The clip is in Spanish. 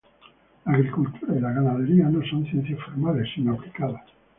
La agricultura y la ganadería no son ciencias formales sino aplicadas.